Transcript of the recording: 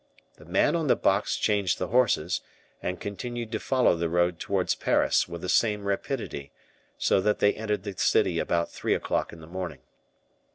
The man on the box changed the horses, and continued to follow the road towards Paris with the same rapidity, so that they entered the city about three o'clock in the morning.